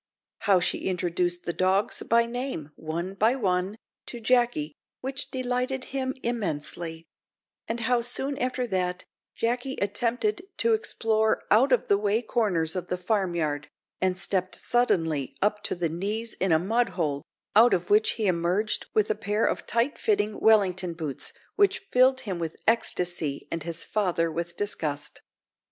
How she introduced the dogs by name, one by one, to Jacky, which delighted him immensely; and how, soon after that, Jacky attempted to explore out of the way corners of the farm yard, and stepped suddenly up to the knees in a mud hole, out of which he emerged with a pair of tight fitting Wellington boots, which filled him with ecstasy and his father with disgust.